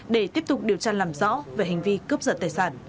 để tiếp tục điều tra làm rõ về hành vi cướp giật tài sản